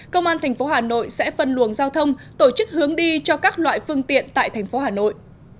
công an tp hà nội sẽ phân luồng giao thông tổ chức hướng đi cho các loại phương tiện tại tp hà nội